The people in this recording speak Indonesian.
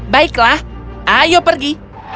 baiklah ayo pergi